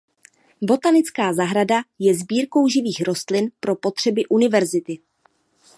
Botanická zahrada je sbírkou živých rostlin pro potřeby univerzity.